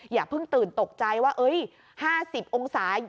อย่าเพิ่งตื่นตกใจว่า๕๐องศา